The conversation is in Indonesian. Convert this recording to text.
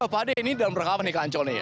pak ade ini dalam rangka apa nih ke ancol nih